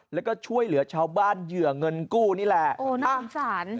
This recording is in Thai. แล้วก็ช่วยเหลือชาวบ้านเหยื่อเงินกู้นี่แหละโอ้น่าสงสาร